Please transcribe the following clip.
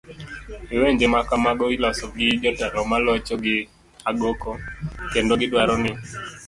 lwenje ma kamago iloso gi jotelo ma locho gi agoko, kendo gidwaro ni